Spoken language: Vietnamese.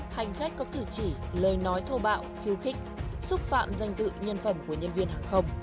hành khách có cử chỉ lời nói thô bạo khiêu khích xúc phạm danh dự nhân phẩm của nhân viên hàng không